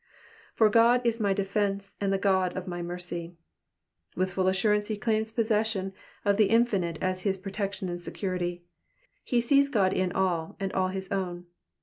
'•^For Ood is my defence, and the Ood of my mercy.'''' With full assurance he claims possession of the Infinite as his protection and security. He sees (jk>d in all, and all his own.